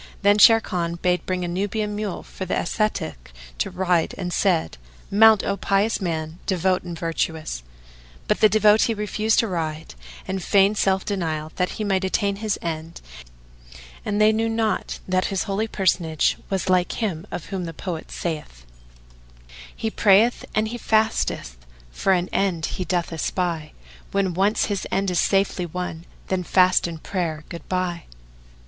Then Sharrkan bade bring a Nubian mule for the ascetic to ride and said, "Mount, O pious man, devout and virtuous!" But the devotee refused to ride and feigned self denial, that he might attain his end; and they knew not that this holy personage was like him of whom the poet saith, "He prayeth and he fasteth for an end he doth espy; * When once his end is safely won then fast and prayer good bye."